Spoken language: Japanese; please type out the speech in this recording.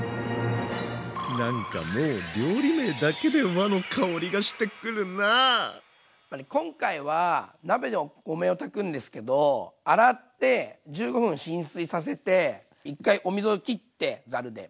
なんかもう料理名だけで今回は鍋でお米を炊くんですけど洗って１５分浸水させて１回お水をきってざるで。